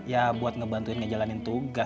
ya buat ngebantuin ngejalanin tugas